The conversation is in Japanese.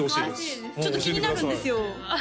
ちょっと気になるんですよ